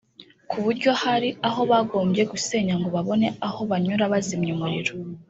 ku buryo hari aho bagombye gusenya ngo babone aho banyura bazimya umuriro